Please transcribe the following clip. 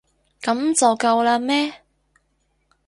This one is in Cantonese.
噉就夠喇咩？